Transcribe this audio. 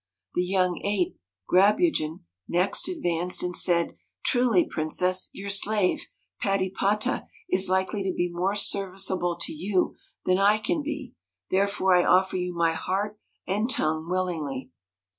The young ape, Grabugeon, next advanced, and said: 'Truly, princess, your slave, Patypata, is likely to be more serviceable to you than I can be; therefore I offer you my heart and tongue willingly.'